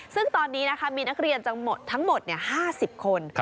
ซึ่งตอนนี้นะคะมีนักเรียนทั้งหมด๕๐คน